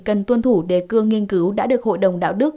cần tuân thủ đề cương nghiên cứu đã được hội đồng đạo đức